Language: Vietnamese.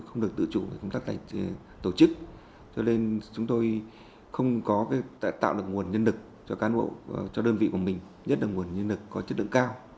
không được tự chủ công tác tổ chức cho nên chúng tôi không có tạo được nguồn nhân lực cho đơn vị của mình nhất là nguồn nhân lực có chất lượng cao